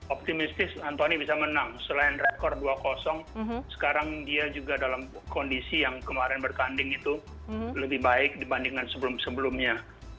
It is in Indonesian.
optimistis anthony bisa menang selain rekor dua sekarang dia juga dalam kondisi yang kemarin bertanding itu lebih baik dibandingkan sebelum sebelumnya